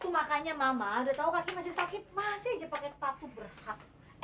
makanya mama udah tahu kaki masih sakit masih aja pakai sepatu berhak